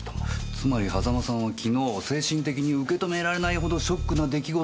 つまり狭間さんは昨日精神的に受け止められないほどショックな出来事を経験した。